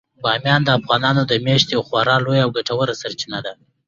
بامیان د افغانانو د معیشت یوه خورا لویه او ګټوره سرچینه ده.